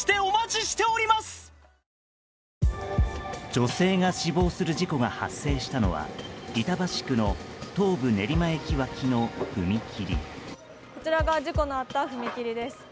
女性が死亡する事故が発生したのは板橋区の東武練馬駅脇の踏切。